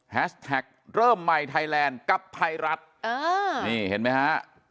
แท็กเริ่มใหม่ไทยแลนด์กับไทยรัฐอ่านี่เห็นไหมฮะ